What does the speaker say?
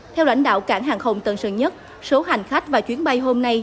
theo lãnh đạo cảng hàng không tân sơn nhất số hành khách và chuyến bay hôm nay